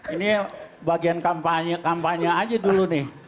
ini bagian kampanye kampanye aja dulu nih